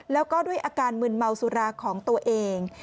แล้วก็ด้วยอาการมึนเมาสุราของตัวเอง